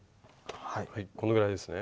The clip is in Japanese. はいこのぐらいですね。